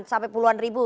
sampai puluhan ribu